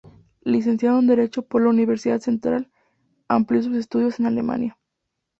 Licenciado en Derecho por la Universidad Central, amplió sus estudios en Alemania.